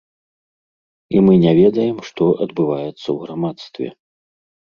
І мы не ведаем, што адбываецца ў грамадстве.